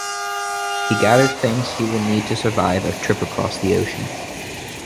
He gathers things he will need to survive a trip across the ocean.